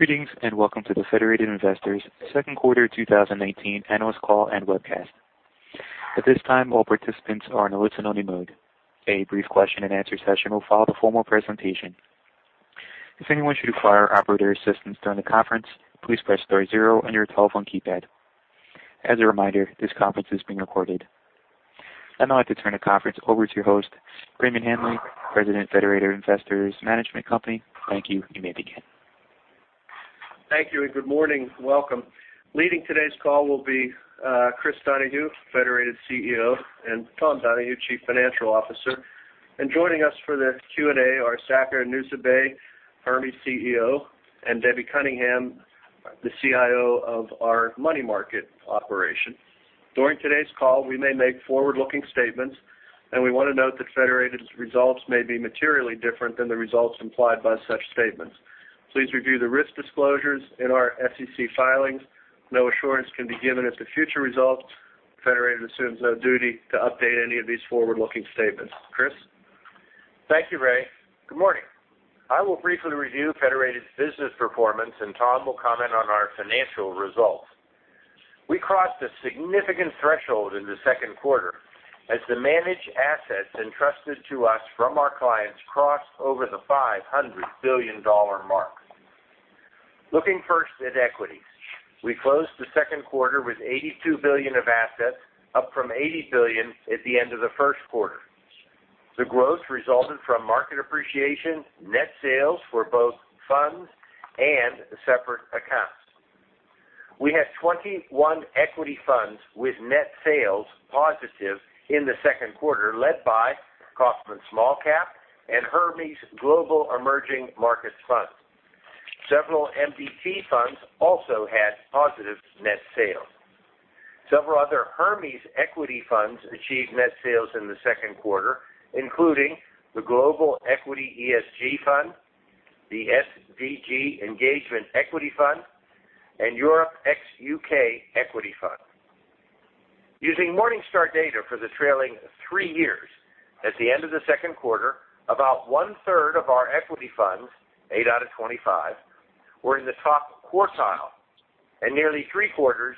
Greetings, and welcome to the Federated Investors second quarter 2019 analyst call and webcast. At this time, all participants are in a listen-only mode. A brief question and answer session will follow the formal presentation. If anyone should require operator assistance during the conference, please press star zero on your telephone keypad. As a reminder, this conference is being recorded. I'd now like to turn the conference over to your host, Raymond Hanley, President, Federated Investors Management Company. Thank you. You may begin. Thank you, and good morning. Welcome. Leading today's call will be Chris Donahue, Federated CEO, and Tom Donahue, Chief Financial Officer. Joining us for the Q&A are Saker Nusseibeh, Hermes CEO, and Debbie Cunningham, the CIO of our money market operation. During today's call, we may make forward-looking statements, and we want to note that Federated's results may be materially different than the results implied by such statements. Please review the risk disclosures in our SEC filings. No assurance can be given as to future results. Federated assumes no duty to update any of these forward-looking statements. Chris? Thank you, Ray. Good morning. I will briefly review Federated's business performance, and Tom will comment on our financial results. We crossed a significant threshold in the second quarter as the managed assets entrusted to us from our clients crossed over the $500 billion mark. Looking first at equities, we closed the second quarter with $82 billion of assets, up from $80 billion at the end of the first quarter. The growth resulted from market appreciation, net sales for both funds and separate accounts. We had 21 equity funds with net sales positive in the second quarter, led by Kaufmann Small Cap and Hermes Global Emerging Markets Fund. Several MDT funds also had positive net sales. Several other Hermes equity funds achieved net sales in the second quarter, including the Global Equity ESG Fund, the SDG Engagement Equity Fund, and Europe ex UK Equity Fund. Using Morningstar data for the trailing three years at the end of the second quarter, about one-third of our equity funds, eight out of 25, were in the top quartile, and nearly three-quarters,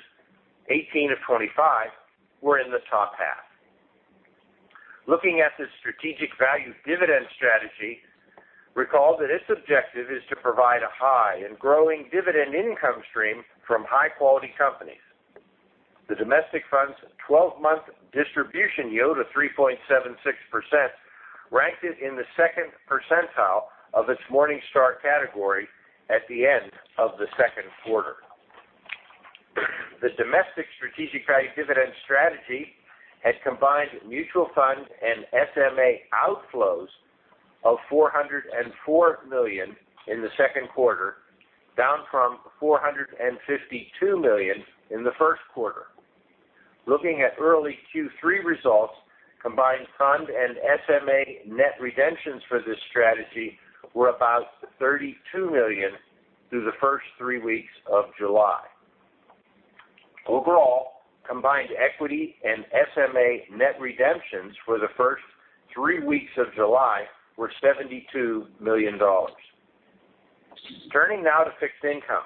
18 of 25, were in the top half. Looking at the Strategic Value Dividend strategy, recall that its objective is to provide a high and growing dividend income stream from high-quality companies. The domestic fund's 12-month distribution yield of 3.76% ranked it in the second percentile of its Morningstar category at the end of the second quarter. The domestic Strategic Value Dividend strategy had combined mutual fund and SMA outflows of $404 million in the second quarter, down from $452 million in the first quarter. Looking at early Q3 results, combined fund and SMA net redemptions for this strategy were about $32 million through the first three weeks of July. Overall, combined equity and SMA net redemptions for the first three weeks of July were $72 million. Turning now to fixed income.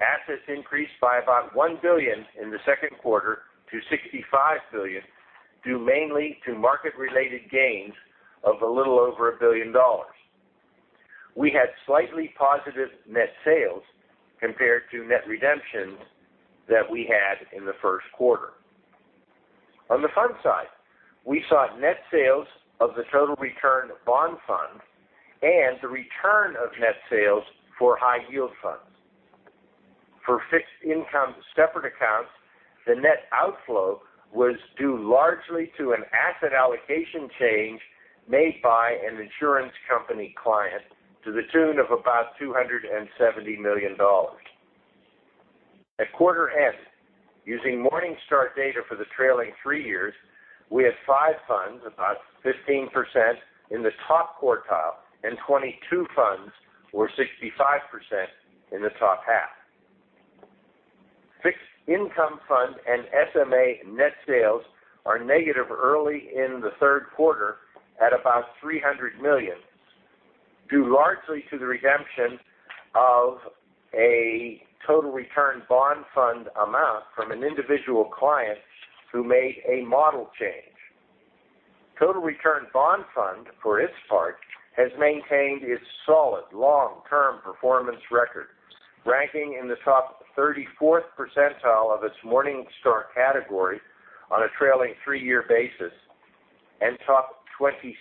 Assets increased by about $1 billion in the second quarter to $65 billion, due mainly to market-related gains of a little over a billion dollars. We had slightly positive net sales compared to net redemptions that we had in the first quarter. On the fund side, we saw net sales of the Total Return Bond Fund and the return of net sales for high yield funds. For fixed income separate accounts, the net outflow was due largely to an asset allocation change made by an insurance company client to the tune of about $270 million. At quarter end, using Morningstar data for the trailing three years, we had five funds, about 15%, in the top quartile and 22 funds, or 65%, in the top half. Fixed income fund and SMA net sales are negative early in the third quarter at about $300 million, due largely to the redemption of a Total Return Bond Fund amount from an individual client who made a model change. Total Return Bond Fund, for its part, has maintained its solid long-term performance record, ranking in the top 34th percentile of its Morningstar category on a trailing three-year basis and top 27%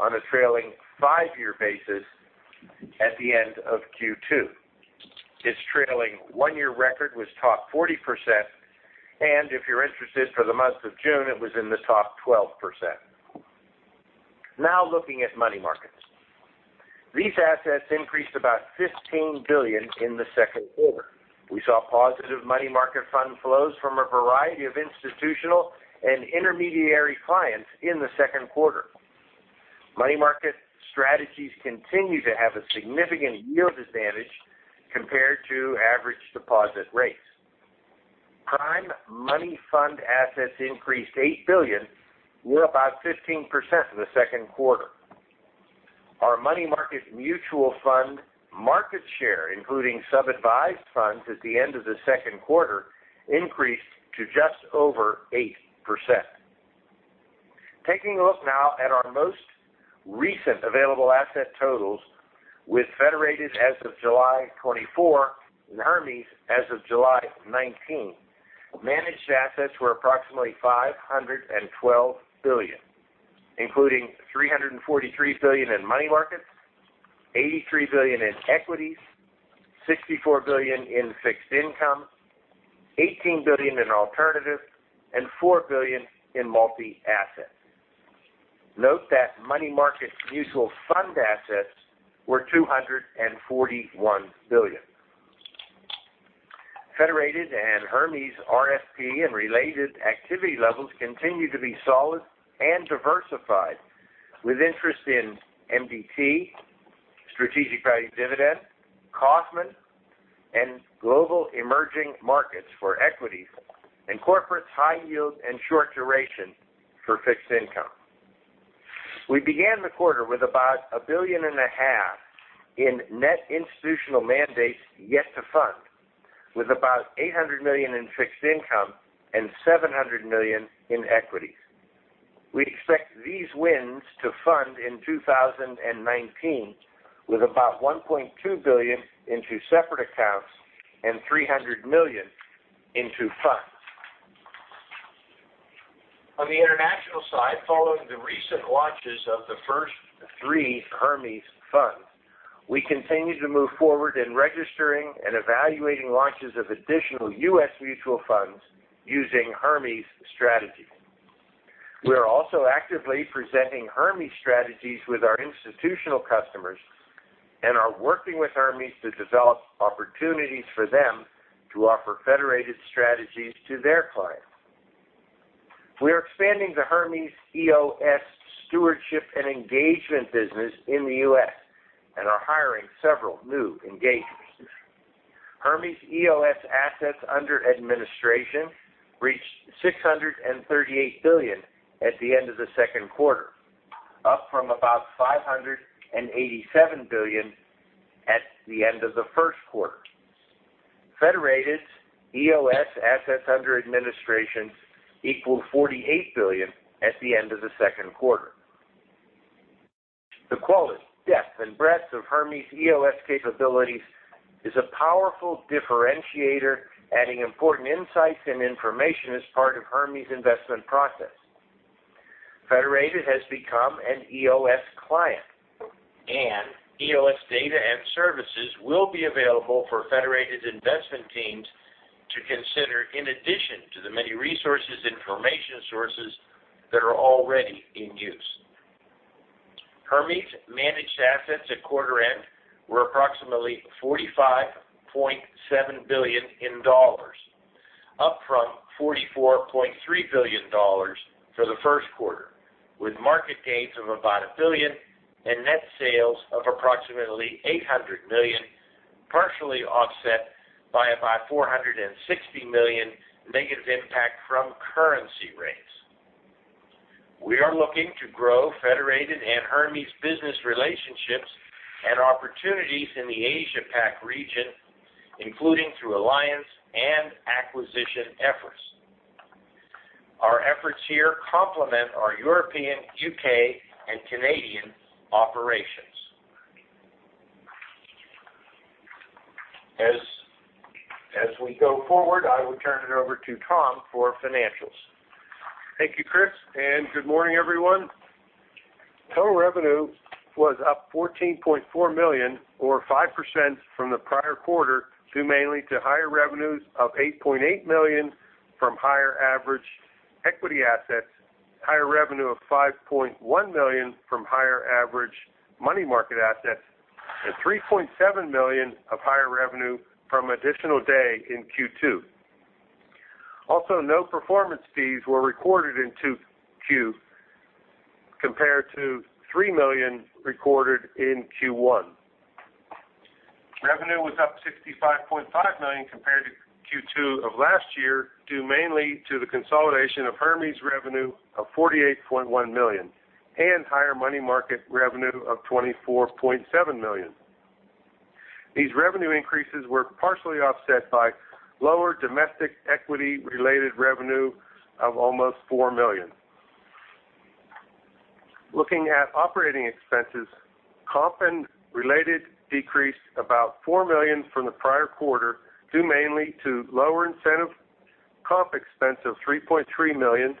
on a trailing five-year basis at the end of Q2. Its trailing one-year record was top 40%, and if you're interested, for the month of June, it was in the top 12%. Now looking at money markets. These assets increased about $15 billion in the second quarter. We saw positive money market fund flows from a variety of institutional and intermediary clients in the second quarter. Money market strategies continue to have a significant yield advantage compared to average deposit rates. Prime money fund assets increased $8 billion, or about 15% in the second quarter. Our money market mutual fund market share, including sub-advised funds at the end of the second quarter, increased to just over 8%. Taking a look now at our most recent available asset totals with Federated as of July 24 and Hermes as of July 19, managed assets were approximately $512 billion, including $343 billion in money markets, $83 billion in equities, $64 billion in fixed income, $18 billion in alternatives, and $4 billion in multi-assets. Note that money market mutual fund assets were $241 billion. Federated and Hermes RFP and related activity levels continue to be solid and diversified, with interest in MDT, Strategic Value Dividend, Kaufmann, and Global Emerging Markets for equities, and corporates high yield and short duration for fixed income. We began the quarter with about $1.5 billion in net institutional mandates yet to fund, with about $800 million in fixed income and $700 million in equities. We expect these wins to fund in 2019, with about $1.2 billion into separate accounts and $300 million into funds. On the international side, following the recent launches of the first three Hermes funds, we continue to move forward in registering and evaluating launches of additional U.S. mutual funds using Hermes strategies. We are also actively presenting Hermes strategies with our institutional customers and are working with Hermes to develop opportunities for them to offer Federated strategies to their clients. We are expanding the Hermes EOS stewardship and engagement business in the U.S. and are hiring several new engagements. Hermes EOS assets under administration reached $638 billion at the end of the second quarter, up from about $587 billion at the end of the first quarter. Federated's EOS assets under administration equaled $48 billion at the end of the second quarter. The quality, depth, and breadth of Hermes EOS capabilities is a powerful differentiator, adding important insights and information as part of Hermes' investment process. Federated has become an EOS client, and EOS data and services will be available for Federated investment teams to consider in addition to the many resources information sources that are already in use. Hermes managed assets at quarter end were approximately $45.7 billion, up from $44.3 billion for the first quarter, with market gains of about $1 billion and net sales of approximately $800 million, partially offset by about $460 million negative impact from currency rates. We are looking to grow Federated and Hermes business relationships and opportunities in the Asia PAC region, including through alliance and acquisition efforts. Our efforts here complement our European, U.K., and Canadian operations. As we go forward, I will turn it over to Tom for financials. Thank you, Chris. Good morning, everyone. Total revenue was up $14.4 million, or 5% from the prior quarter, due mainly to higher revenues of $8.8 million from higher average equity assets, higher revenue of $5.1 million from higher average money market assets, and $3.7 million of higher revenue from additional day in Q2. Also, no performance fees were recorded in Q2 compared to $3 million recorded in Q1. Revenue was up $65.5 million compared to Q2 of last year, due mainly to the consolidation of Hermes revenue of $48.1 million and higher money market revenue of $24.7 million. These revenue increases were partially offset by lower domestic equity-related revenue of almost $4 million. Looking at operating expenses, comp and related decreased about $4 million from the prior quarter, due mainly to lower incentive comp expense of $3.3 million,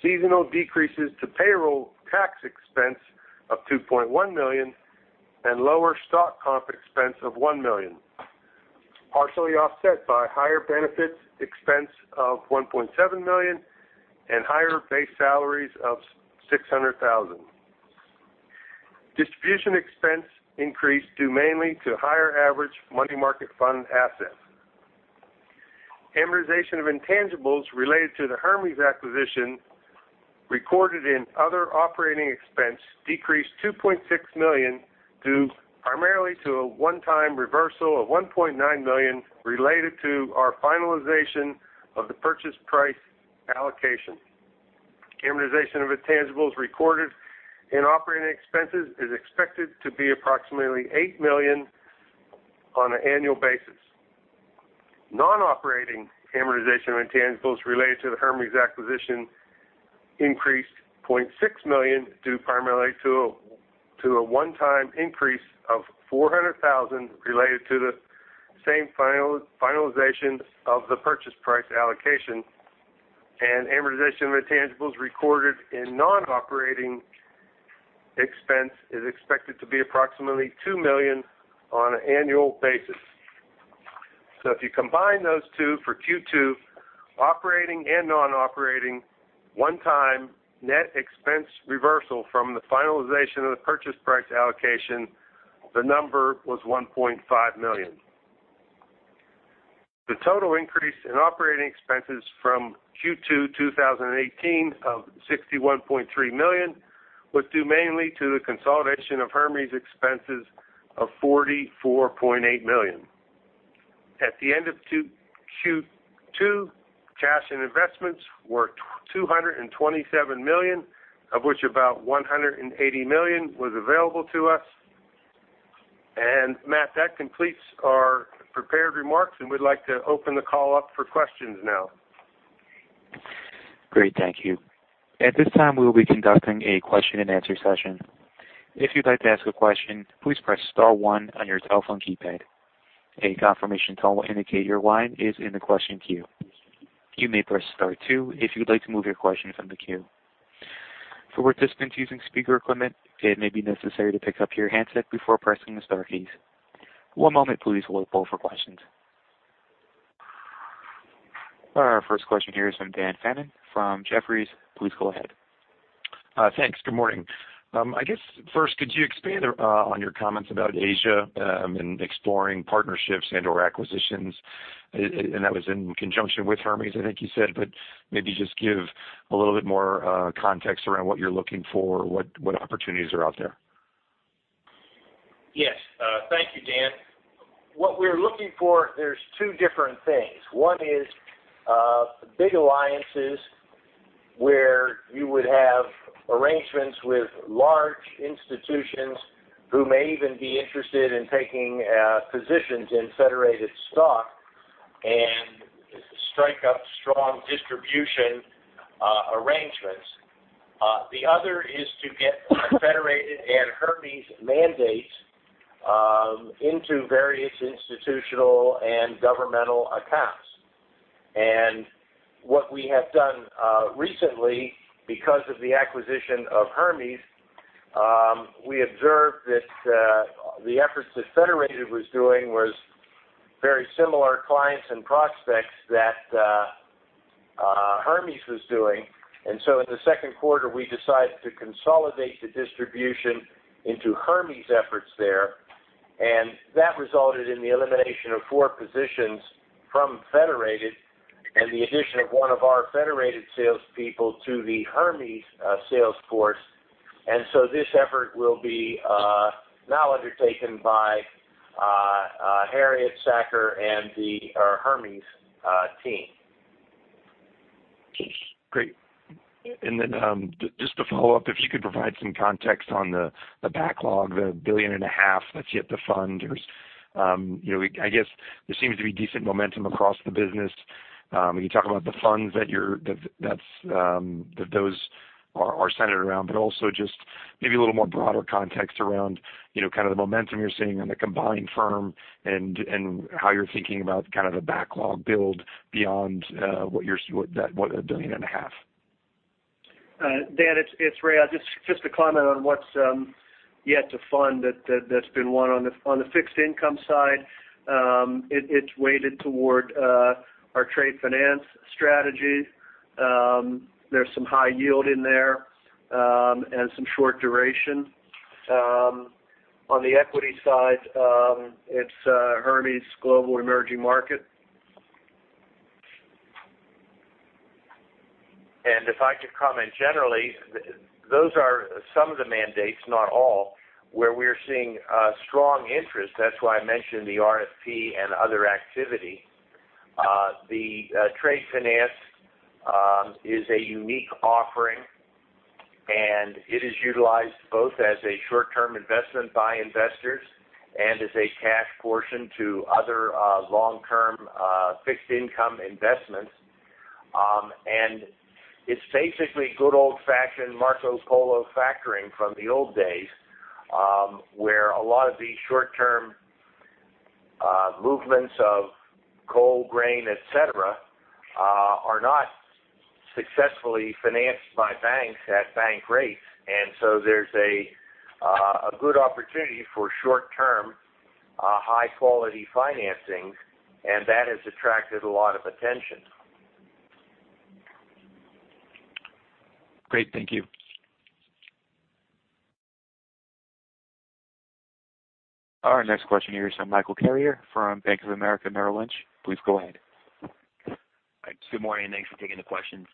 seasonal decreases to payroll tax expense of $2.1 million, and lower stock comp expense of $1 million, partially offset by higher benefits expense of $1.7 million and higher base salaries of $600,000. Distribution expense increased due mainly to higher average money market fund assets. Amortization of intangibles related to the Hermes acquisition recorded in other operating expense decreased $2.6 million due primarily to a one-time reversal of $1.9 million related to our finalization of the purchase price allocation. Amortization of intangibles recorded in operating expenses is expected to be approximately $8 million on an annual basis. Non-operating amortization of intangibles related to the Hermes acquisition increased $0.6 million due primarily to a one-time increase of $400,000 related to the same finalization of the purchase price allocation. Amortization of intangibles recorded in non-operating expense is expected to be approximately $2 million on an annual basis. If you combine those two for Q2, operating and non-operating, one-time net expense reversal from the finalization of the purchase price allocation, the number was $1.5 million. The total increase in operating expenses from Q2 2018 of $61.3 million was due mainly to the consolidation of Hermes expenses of $44.8 million. At the end of Q2, cash and investments were $227 million, of which about $180 million was available to us. Matt, that completes our prepared remarks, and we'd like to open the call up for questions now. Great, thank you. At this time, we will be conducting a question and answer session. If you'd like to ask a question, please press star one on your telephone keypad. A confirmation tone will indicate your line is in the question queue. You may press star two if you'd like to move your question from the queue. For participants using speaker equipment, it may be necessary to pick up your handset before pressing the star keys. One moment please while we poll for questions. Our first question here is from Dan Fannon from Jefferies. Please go ahead. Thanks. Good morning. I guess first, could you expand on your comments about Asia and exploring partnerships and/or acquisitions? That was in conjunction with Hermes, I think you said, but maybe just give a little bit more context around what you're looking for. What opportunities are out there? Yes. Thank you, Dan. What we're looking for, there's two different things. One is big alliances where you would have arrangements with large institutions who may even be interested in taking positions in Federated stock and strike up strong distribution arrangements. The other is to get Federated and Hermes mandates into various institutional and governmental accounts. What we have done recently, because of the acquisition of Hermes, we observed that the efforts that Federated was doing was very similar clients and prospects that Hermes was doing. In the second quarter, we decided to consolidate the distribution into Hermes' efforts there, and that resulted in the elimination of four positions from Federated and the addition of one of our Federated salespeople to the Hermes sales force. This effort will be now undertaken by Harriet Steel and the Hermes team. Great. Just to follow up, if you could provide some context on the backlog, the billion and a half that's yet to fund. I guess there seems to be decent momentum across the business. You talk about the funds that those are centered around, but also just maybe a little more broader context around the momentum you're seeing in the combined firm and how you're thinking about the backlog build beyond that billion and a half. Dan, it's Ray. Just to comment on what's yet to fund that's been won on the fixed income side. It's weighted toward our trade finance strategy. There's some high yield in there and some short duration. On the equity side, it's Hermes Global Emerging Markets. If I could comment generally, those are some of the mandates, not all, where we're seeing strong interest. That's why I mentioned the RFP and other activity. The trade finance is a unique offering, and it is utilized both as a short-term investment by investors and as a cash portion to other long-term fixed income investments. It's basically good old-fashioned Marco Polo factoring from the old days, where a lot of these short-term movements of coal, grain, et cetera, are not successfully financed by banks at bank rates. There's a good opportunity for short-term, high-quality financing, and that has attracted a lot of attention. Great. Thank you. Our next question here is from Michael Carrier from Bank of America Merrill Lynch. Please go ahead. Good morning. Thanks for taking the questions.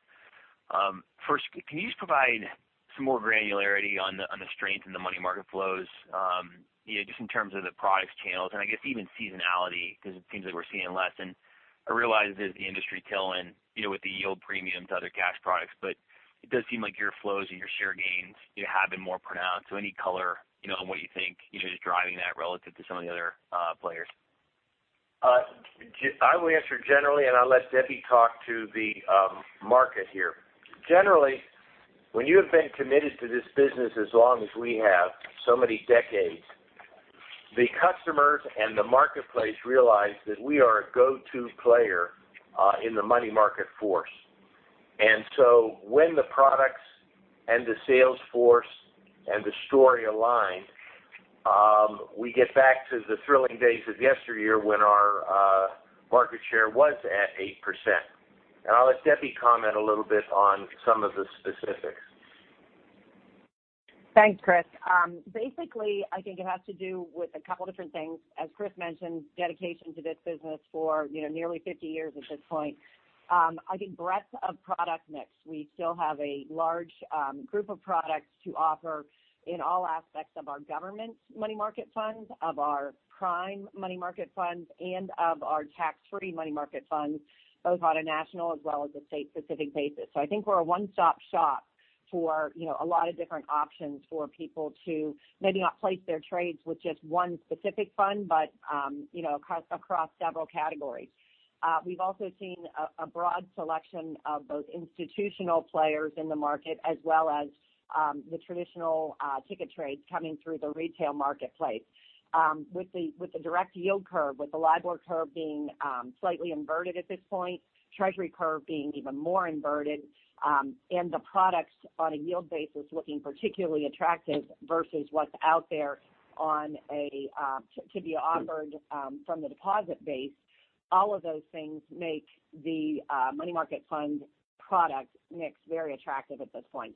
First, can you just provide some more granularity on the strength in the money market flows, just in terms of the products channels and I guess even seasonality, because it seems like we're seeing less. I realize that the industry tailwind, with the yield premium to other cash products, but it does seem like your flows and your share gains have been more pronounced. Any color on what you think is driving that relative to some of the other players? I will answer generally, and I'll let Debbie talk to the market here. Generally, when you have been committed to this business as long as we have, so many decades, the customers and the marketplace realize that we are a go-to player in the money market force. When the products and the sales force and the story align, we get back to the thrilling days of yesteryear when our market share was at 8%. I'll let Debbie comment a little bit on some of the specifics. Thanks, Chris. Basically, I think it has to do with a couple different things. As Chris mentioned, dedication to this business for nearly 50 years at this point. I think breadth of product mix. We still have a large group of products to offer in all aspects of our government money market funds, of our prime money market funds, and of our tax-free money market funds, both on a national as well as a state-specific basis. I think we're a one-stop shop for a lot of different options for people to maybe not place their trades with just one specific fund, but across several categories. We've also seen a broad selection of both institutional players in the market, as well as the traditional ticket trades coming through the retail marketplace. With the direct yield curve, with the LIBOR curve being slightly inverted at this point, Treasury curve being even more inverted, and the products on a yield basis looking particularly attractive versus what's out there to be offered from the deposit base. All of those things make the money market fund product mix very attractive at this point.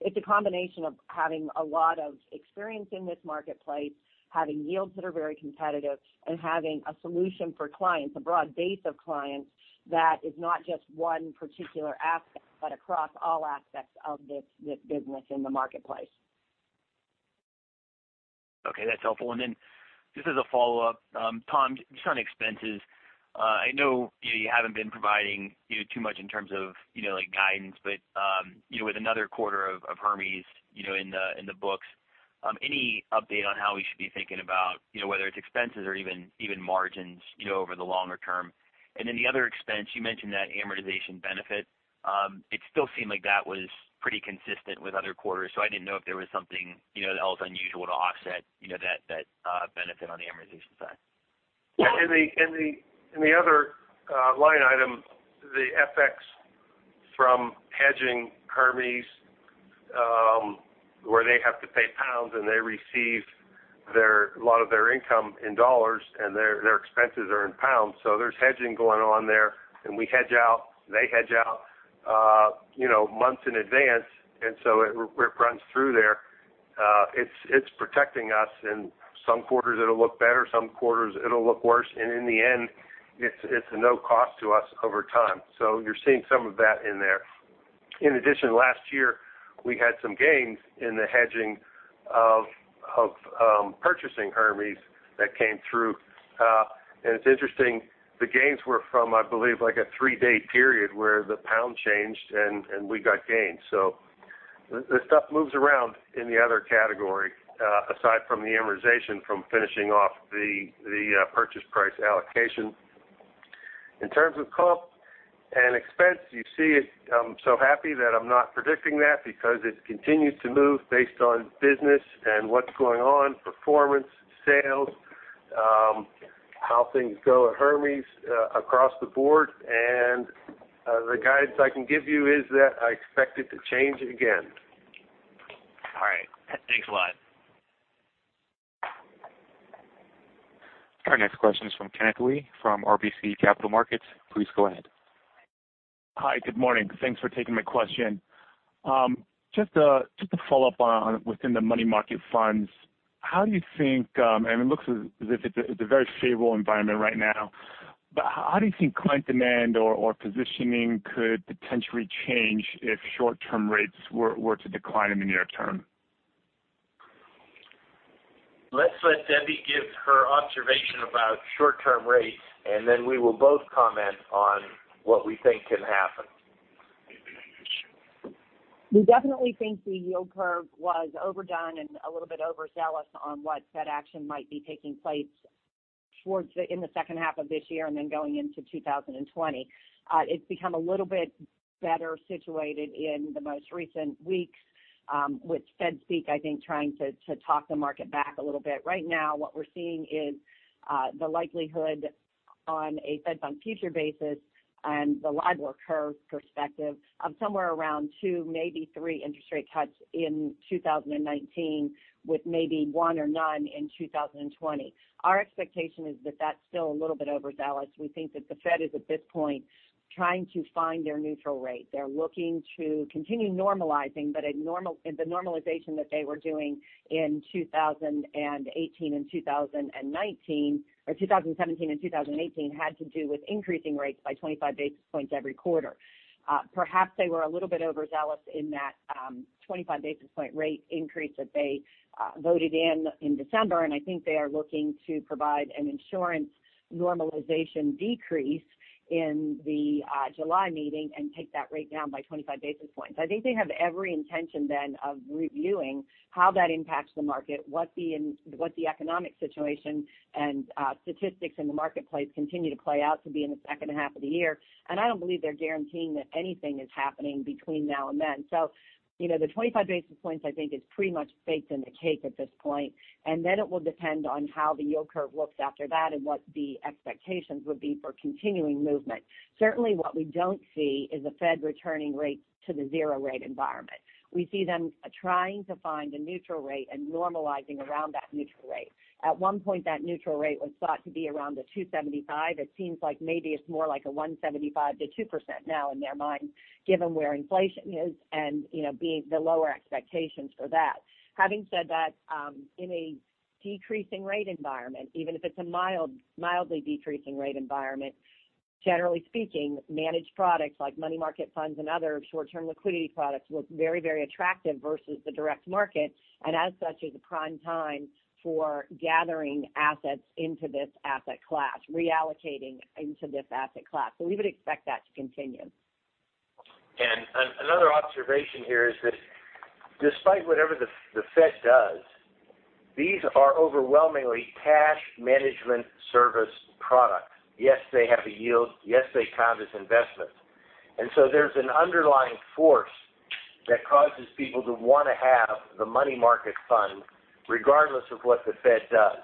It's a combination of having a lot of experience in this marketplace, having yields that are very competitive, and having a solution for clients, a broad base of clients, that is not just one particular aspect, but across all aspects of this business in the marketplace. Okay, that's helpful. Just as a follow-up, Tom, just on expenses. I know you haven't been providing too much in terms of guidance, but with another quarter of Hermes in the books, any update on how we should be thinking about whether it's expenses or even margins over the longer term? The other expense, you mentioned that amortization benefit. It still seemed like that was pretty consistent with other quarters, so I didn't know if there was something else unusual to offset that benefit on the amortization side. Yeah. In the other line item, the FX from hedging Hermes, where they have to pay pounds and they receive a lot of their income in dollars and their expenses are in pounds. There's hedging going on there, and we hedge out, they hedge out months in advance, and so it runs through there. It's protecting us. In some quarters it'll look better, some quarters it'll look worse. In the end, it's at no cost to us over time. You're seeing some of that in there. In addition, last year, we had some gains in the hedging of purchasing Hermes that came through. It's interesting, the gains were from, I believe, like a three-day period where the pound changed and we got gains. The stuff moves around in the other category, aside from the amortization from finishing off the purchase price allocation. In terms of cost and expense, you see it. I'm so happy that I'm not predicting that because it continues to move based on business and what's going on, performance, sales, how things go at Hermes across the board. The guidance I can give you is that I expect it to change again. All right. Thanks a lot. Our next question is from Kenneth Lee from RBC Capital Markets. Please go ahead. Hi. Good morning. Thanks for taking my question. Just to follow up on within the money market funds, how do you think, and it looks as if it's a very stable environment right now. How do you think client demand or positioning could potentially change if short-term rates were to decline in the near term? Let's let Debbie give her observation about short-term rates, and then we will both comment on what we think can happen. We definitely think the yield curve was overdone and a little bit overzealous on what Fed action might be taking place in the second half of this year and then going into 2020. It's become a little bit better situated in the most recent weeks, with Fedspeak, I think, trying to talk the market back a little bit. Right now, what we're seeing is the likelihood on a Fed Funds future basis and the LIBOR curve perspective of somewhere around two, maybe three interest rate cuts in 2019, with maybe one or none in 2020. Our expectation is that that's still a little bit overzealous. We think that the Fed is at this point trying to find their neutral rate. They're looking to continue normalizing, but the normalization that they were doing in 2018 and 2019 or 2017 and 2018 had to do with increasing rates by 25 basis points every quarter. Perhaps they were a little bit overzealous in that 25 basis point rate increase that they voted in December. I think they are looking to provide an insurance normalization decrease in the July meeting and take that rate down by 25 basis points. I think they have every intention then of reviewing how that impacts the market, what the economic situation and statistics in the marketplace continue to play out to be in the second half of the year. I don't believe they're guaranteeing that anything is happening between now and then. The 25 basis points I think is pretty much baked in the cake at this point. It will depend on how the yield curve looks after that and what the expectations would be for continuing movement. Certainly, what we don't see is the Fed returning rates to the zero rate environment. We see them trying to find a neutral rate and normalizing around that neutral rate. At one point, that neutral rate was thought to be around the 2.75%. It seems like maybe it's more like a 1.75%-2% now in their minds, given where inflation is and the lower expectations for that. Having said that, in a decreasing rate environment, even if it's a mildly decreasing rate environment, generally speaking, managed products like money market funds and other short-term liquidity products look very attractive versus the direct market. As such, is a prime time for gathering assets into this asset class, reallocating into this asset class. We would expect that to continue. Another observation here is that despite whatever the Fed does, these are overwhelmingly cash management service products. Yes, they have a yield. Yes, they count as investments. There's an underlying force that causes people to want to have the money market fund regardless of what the Fed does.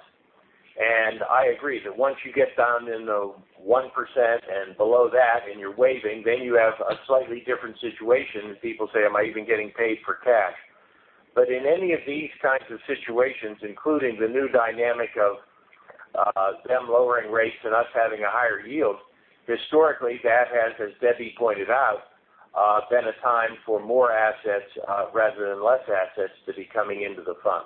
I agree that once you get down in the 1% and below that and you're waiving, then you have a slightly different situation. People say, "Am I even getting paid for cash?" In any of these kinds of situations, including the new dynamic of them lowering rates and us having a higher yield, historically, that has, as Debbie pointed out, been a time for more assets rather than less assets to be coming into the fund.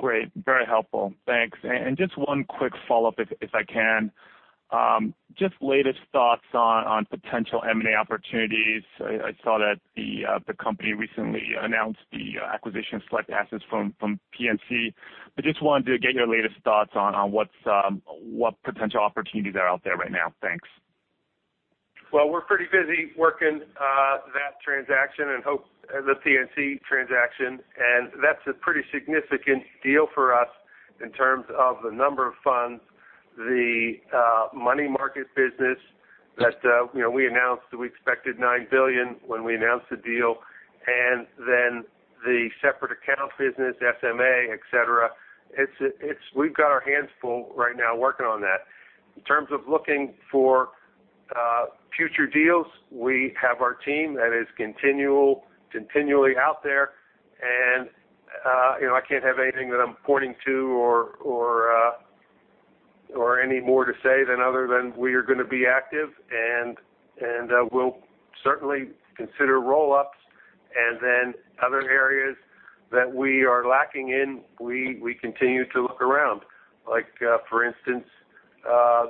Great. Very helpful. Thanks. Just one quick follow-up if I can. Just latest thoughts on potential M&A opportunities. I saw that the company recently announced the acquisition of select assets from PNC. I just wanted to get your latest thoughts on what potential opportunities are out there right now. Thanks. Well, we're pretty busy working that transaction and hope the PNC transaction. That's a pretty significant deal for us in terms of the number of funds, the money market business that we announced that we expected $9 billion when we announced the deal, and then the separate account business, SMA, et cetera. We've got our hands full right now working on that. In terms of looking for future deals, we have our team that is continually out there, and I can't have anything that I'm pointing to or any more to say than other than we are going to be active, and we'll certainly consider roll-ups. Other areas that we are lacking in, we continue to look around. Like, for instance,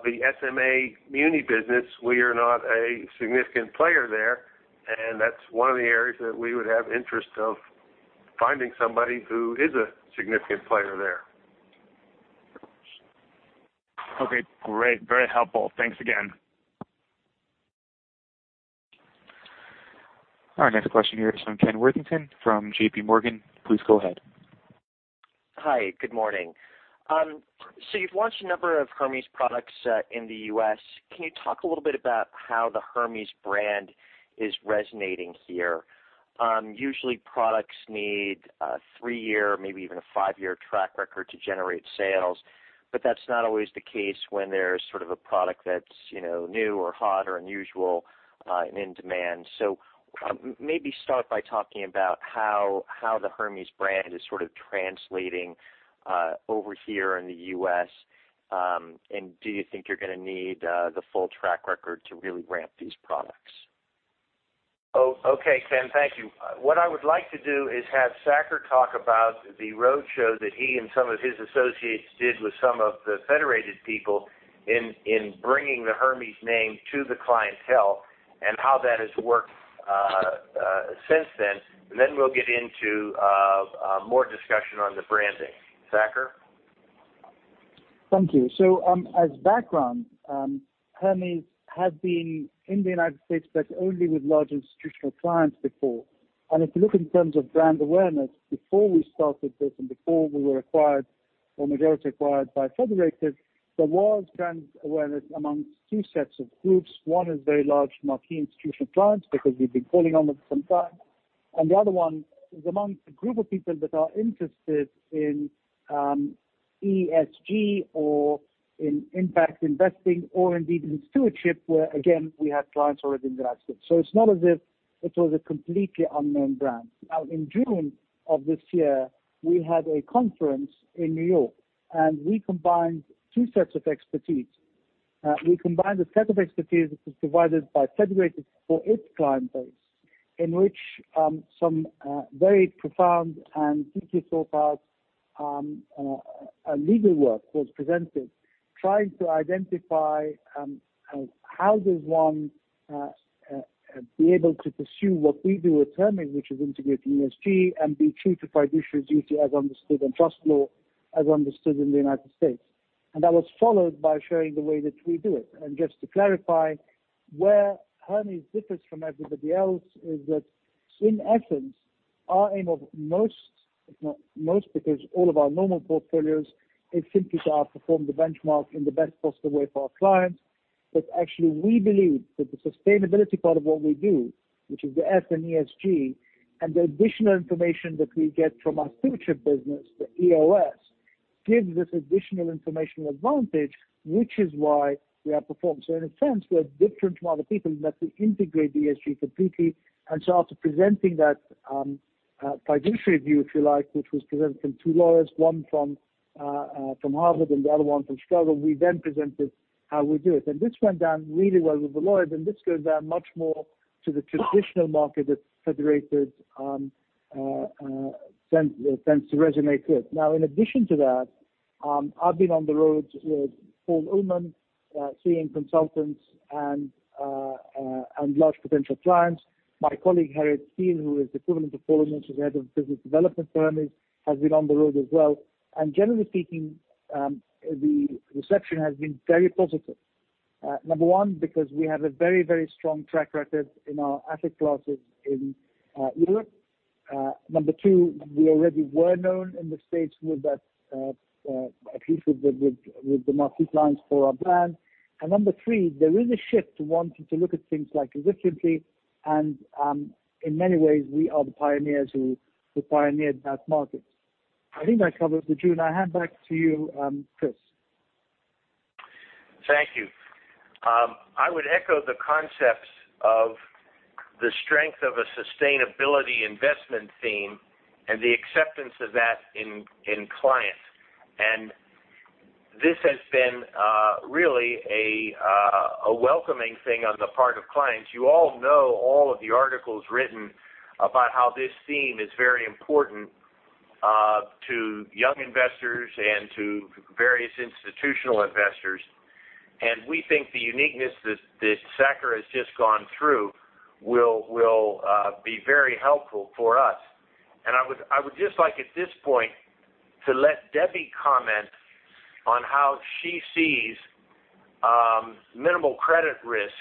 the SMA muni business, we are not a significant player there, and that's one of the areas that we would have interest of finding somebody who is a significant player there. Okay, great. Very helpful. Thanks again. Our next question here is from Ken Worthington from JPMorgan. Please go ahead. Hi, good morning. You've launched a number of Hermes products in the U.S. Can you talk a little bit about how the Hermes brand is resonating here? Usually products need a three-year, maybe even a five-year track record to generate sales, but that's not always the case when there's sort of a product that's new or hot or unusual and in demand. Maybe start by talking about how the Hermes brand is sort of translating over here in the U.S. Do you think you're going to need the full track record to really ramp these products? Okay, Ken, thank you. What I would like to do is have Saker talk about the roadshow that he and some of his associates did with some of the Federated people in bringing the Hermes name to the clientele and how that has worked since then. We'll get into more discussion on the branding. Saker? Thank you. As background, Hermes had been in the U.S., only with large institutional clients before. If you look in terms of brand awareness, before we started this and before we were acquired or majority acquired by Federated, there was brand awareness amongst two sets of groups. One is very large marquee institutional clients because we've been calling on them for some time. The other one is amongst a group of people that are interested in ESG or in impact investing or indeed in stewardship, where again, we have clients already in the United States. It's not as if it was a completely unknown brand. In June of this year, we had a conference in New York and we combined two sets of expertise. We combined a set of expertise which was provided by Federated for its client base, in which some very profound and deeply thought about legal work was presented, trying to identify how does one be able to pursue what we do at Hermes, which is integrate ESG and be true to fiduciary duty as understood in trust law, as understood in the United States. That was followed by showing the way that we do it. Just to clarify, where Hermes differs from everybody else is that in essence, our aim of most, if not most because all of our normal portfolios is simply to outperform the benchmark in the best possible way for our clients. Actually we believe that the sustainability part of what we do, which is the S in ESG, and the additional information that we get from our future business, the EOS, gives us additional informational advantage, which is why we outperform. In a sense, we are different from other people in that we integrate ESG completely. After presenting that fiduciary view, if you like, which was presented from two lawyers, one from Harvard and the other one from Chicago, we then presented how we do it. This went down really well with the lawyers, and this goes down much more to the traditional market that Federated tends to resonate with. Now, in addition to that, I've been on the road with Paul Oomen, seeing consultants and large potential clients. My colleague, Harriet Steel, who is equivalent to Paul Oomen, she's head of business development at Hermes, has been on the road as well. Generally speaking, the reception has been very positive. Number one, because we have a very strong track record in our asset classes in Europe. Number two, we already were known in the U.S. at least with the marquee clients for our brand. Number three, there is a shift to wanting to look at things differently, and in many ways, we are the pioneers who pioneered that market. I think I covered the June. I hand back to you, Chris. Thank you. I would echo the concepts of the strength of a sustainability investment theme and the acceptance of that in clients. This has been really a welcoming thing on the part of clients. You all know all of the articles written about how this theme is very important to young investors and to various institutional investors. We think the uniqueness that Saker has just gone through will be very helpful for us. I would just like at this point to let Debbie comment on how she sees minimal credit risk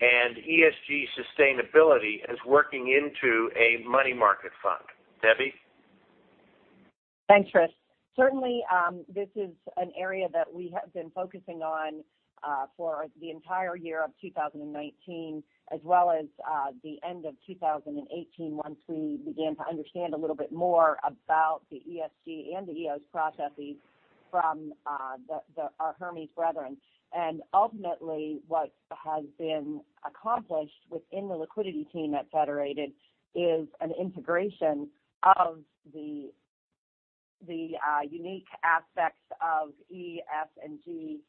and ESG sustainability as working into a money market fund. Debbie? Thanks, Chris. Certainly, this is an area that we have been focusing on for the entire year of 2019, as well as the end of 2018 once we began to understand a little bit more about the ESG and the EOS processes from our Hermes brethren. Ultimately, what has been accomplished within the liquidity team at Federated is an integration of the unique aspects of E, S, and G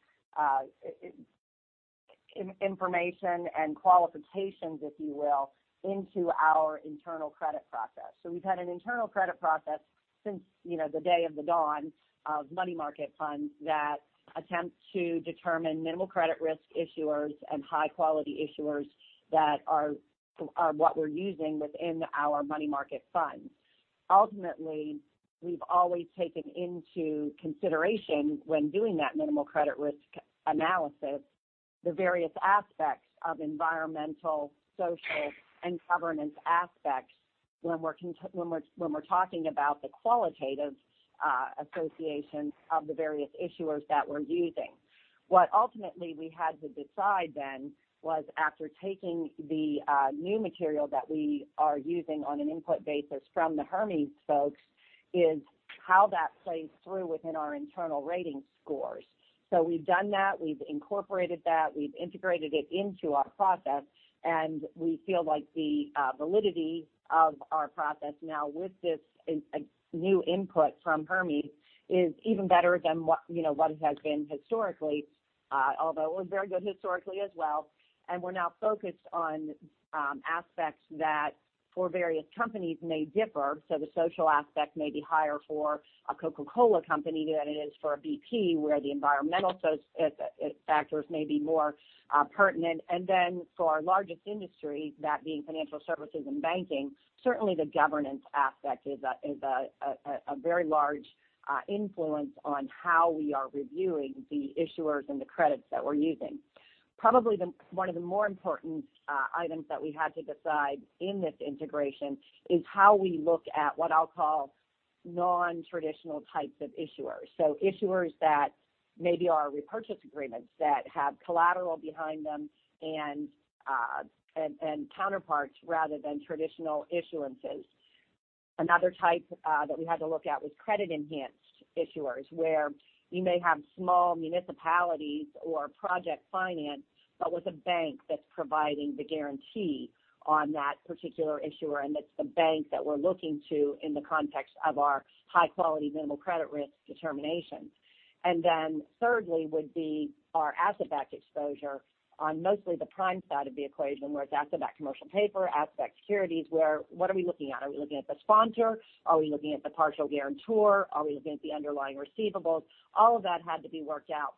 information and qualifications, if you will, into our internal credit process. We've had an internal credit process since the day of the dawn of money market funds that attempt to determine minimal credit risk issuers and high-quality issuers that are what we're using within our money market funds. Ultimately, we've always taken into consideration when doing that minimal credit risk analysis, the various aspects of environmental, social, and governance aspects when we're talking about the qualitative associations of the various issuers that we're using. What ultimately we had to decide then was after taking the new material that we are using on an input basis from the Hermes folks, is how that plays through within our internal rating scores. We've done that, we've incorporated that, we've integrated it into our process, and we feel like the validity of our process now with this new input from Hermes is even better than what it has been historically. Although it was very good historically as well. We're now focused on aspects that for various companies may differ. The social aspect may be higher for a Coca-Cola Company than it is for a BP, where the environmental factors may be more pertinent. For our largest industry, that being financial services and banking, certainly the governance aspect is a very large influence on how we are reviewing the issuers and the credits that we're using. Probably one of the more important items that we had to decide in this integration is how we look at what I'll call non-traditional types of issuers. Issuers that maybe are repurchase agreements that have collateral behind them and counterparts rather than traditional issuances. Another type that we had to look at was credit-enhanced issuers, where you may have small municipalities or project finance, but with a bank that's providing the guarantee on that particular issuer, and it's the bank that we're looking to in the context of our high quality, minimal credit risk determinations. Thirdly would be our asset-backed exposure on mostly the prime side of the equation, where it's asset-backed commercial paper, asset-backed securities, where what are we looking at? Are we looking at the sponsor? Are we looking at the partial guarantor? Are we looking at the underlying receivables? All of that had to be worked out.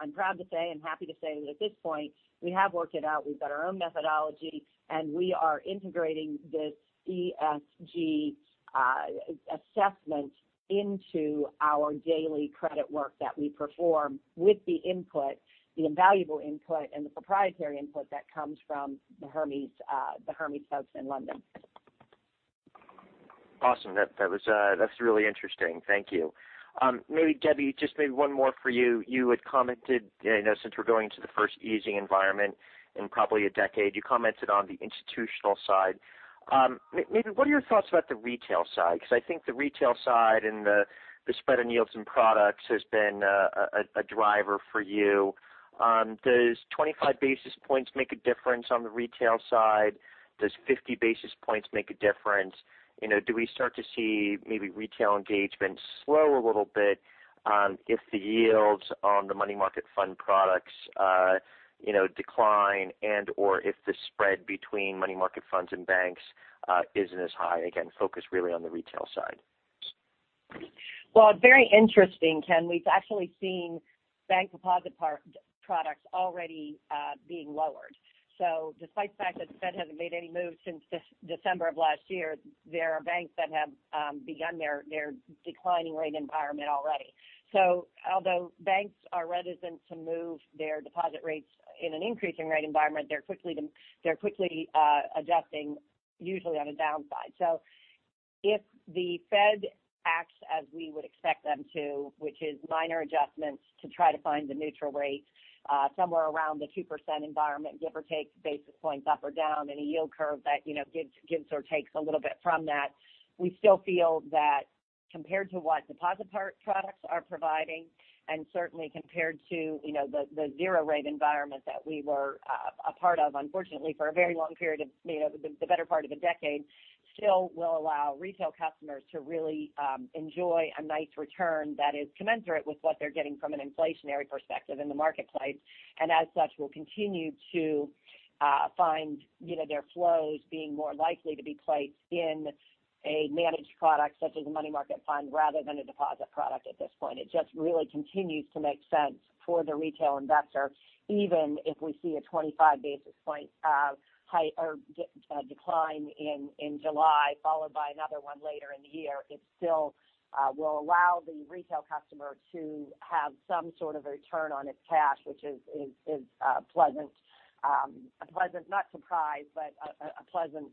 I'm proud to say and happy to say that at this point we have worked it out. We've got our own methodology, and we are integrating this ESG assessment into our daily credit work that we perform with the input, the invaluable input, and the proprietary input that comes from the Hermes folks in London. Awesome. That's really interesting. Thank you. Debbie, just maybe one more for you. You had commented, since we're going into the first easing environment in probably a decade, you commented on the institutional side. Maybe what are your thoughts about the retail side? Because I think the retail side and the spread on yields and products has been a driver for you. Does 25 basis points make a difference on the retail side? Does 50 basis points make a difference? Do we start to see maybe retail engagement slow a little bit if the yields on the money market fund products decline and/or if the spread between money market funds and banks isn't as high? Again, focused really on the retail side. It's very interesting, Ken. We've actually seen bank deposit products already being lowered. Despite the fact that the Fed hasn't made any moves since December of last year, there are banks that have begun their declining rate environment already. Although banks are reticent to move their deposit rates in an increasing rate environment, they're quickly adjusting, usually on a downside. If the Fed acts as we would expect them to, which is minor adjustments to try to find the neutral rate somewhere around the 2% environment, give or take basis points up or down, and a yield curve that gives or takes a little bit from that. We still feel that compared to what deposit products are providing, and certainly compared to the zero rate environment that we were a part of, unfortunately, for a very long period of the better part of a decade, still will allow retail customers to really enjoy a nice return that is commensurate with what they're getting from an inflationary perspective in the marketplace. As such, we'll continue to find their flows being more likely to be placed in a managed product such as a money market fund, rather than a deposit product at this point. It just really continues to make sense for the retail investor, even if we see a 25 basis point decline in July, followed by another one later in the year. It still will allow the retail customer to have some sort of a return on its cash, which is a pleasant, not surprise, but a pleasant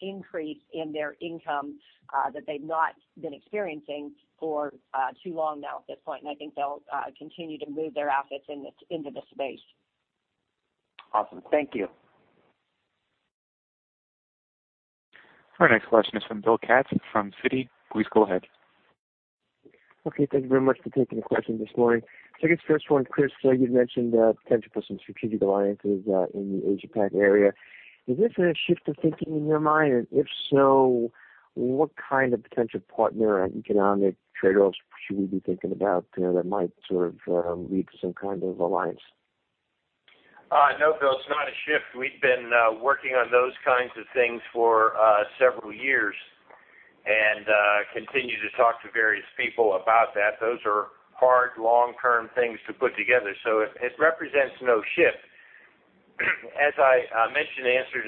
increase in their income that they've not been experiencing for too long now at this point, and I think they'll continue to move their assets into the space. Awesome. Thank you. Our next question is from Bill Katz from Citi. Please go ahead. Okay. Thank you very much for taking the question this morning. I guess first one, Chris, you mentioned potential for some strategic alliances in the Asia Pac area. Is this a shift of thinking in your mind? If so, what kind of potential partner and economic trade-offs should we be thinking about that might lead to some kind of alliance? No, Bill, it's not a shift. We've been working on those kinds of things for several years and continue to talk to various people about that. Those are hard, long-term things to put together. It represents no shift. As I mentioned in answer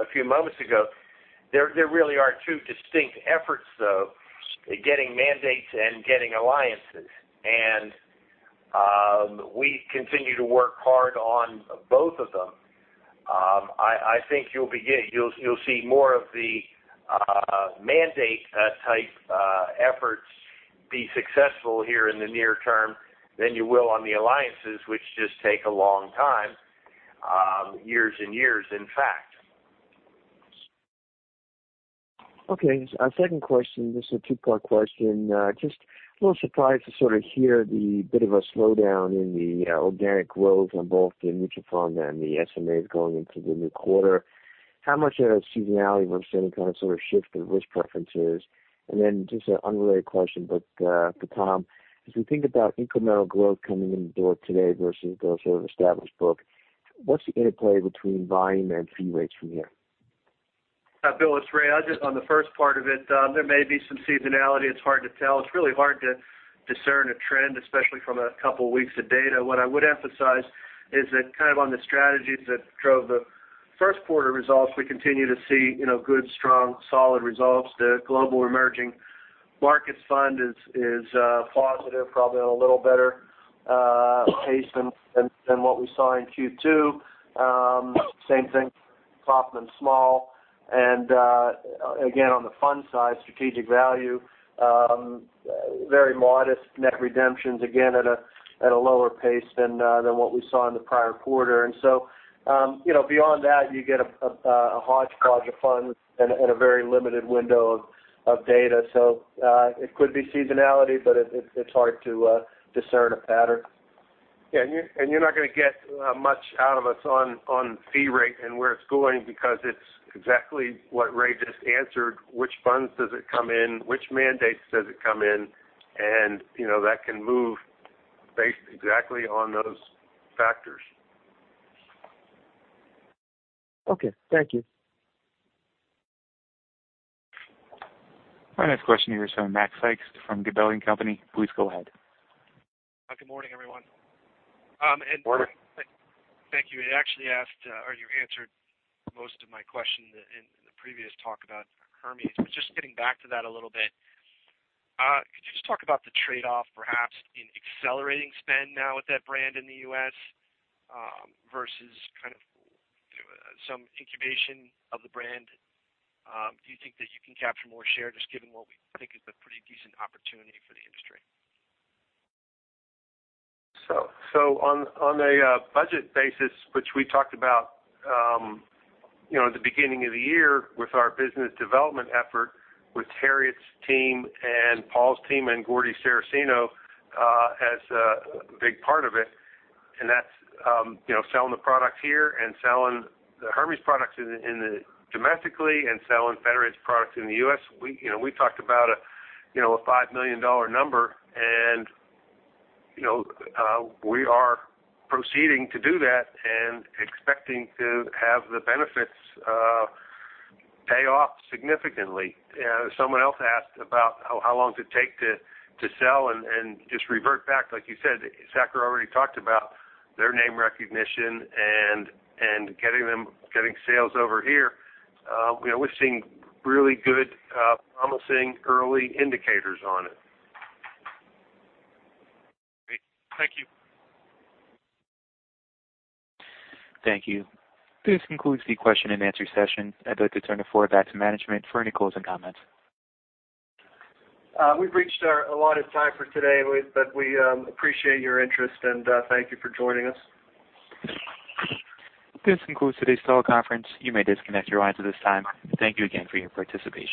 a few moments ago, there really are two distinct efforts, though. Getting mandates and getting alliances. We continue to work hard on both of them. I think you'll see more of the mandate type efforts be successful here in the near term than you will on the alliances, which just take a long time. Years and years, in fact. Okay. Second question. This is a 2-part question. Just a little surprised to sort of hear the bit of a slowdown in the organic growth on both the mutual fund and the SMAs going into the new quarter. How much of that is seasonality versus any kind of shift in risk preferences? Just an unrelated question for Tom, as we think about incremental growth coming in the door today versus the sort of established book, what's the interplay between volume and fee rates from here? Bill, it's Ray. I'll just on the first part of it, there may be some seasonality. It's hard to tell. It's really hard to discern a trend, especially from a couple weeks of data. What I would emphasize is that kind of on the strategies that drove the first quarter results, we continue to see good, strong, solid results. The Hermes Global Emerging Markets Fund is positive, probably on a little better pace than what we saw in Q2. Same thing, Kaufmann Small Cap. Again, on the fund side, Strategic Value Dividend very modest net redemptions, again at a lower pace than what we saw in the prior quarter. Beyond that, you get a hodgepodge of funds and a very limited window of data. It could be seasonality, but it's hard to discern a pattern. Yeah. You're not going to get much out of us on fee rate and where it's going because it's exactly what Ray just answered. Which funds does it come in? Which mandates does it come in? That can move based exactly on those factors. Okay. Thank you. Our next question here is from Macrae Sykes from Gabelli & Company. Please go ahead. Good morning, everyone. Good morning. Thank you. You actually answered most of my question in the previous talk about Hermes. Just getting back to that a little bit, could you just talk about the trade-off perhaps in accelerating spend now with that brand in the U.S., versus kind of some incubation of the brand? Do you think that you can capture more share just given what we think is a pretty decent opportunity for the industry? On a budget basis, which we talked about at the beginning of the year with our business development effort with Harriet's team and Paul's team and Gordie Saraceno as a big part of it, that's selling the product here and selling the Hermes products domestically and selling Federated's products in the U.S. We talked about a $5 million number, we are proceeding to do that and expecting to have the benefits pay off significantly. Someone else asked about how long does it take to sell. Just revert back, like you said, Sakura already talked about their name recognition and getting sales over here. We're seeing really good, promising early indicators on it. Great. Thank you. Thank you. This concludes the question and answer session. I'd like to turn the floor back to management for any closing comments. We've reached our allotted time for today, but we appreciate your interest and thank you for joining us. This concludes today's call conference. You may disconnect your lines at this time. Thank you again for your participation.